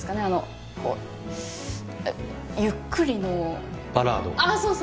あのこうゆっくりのバラード？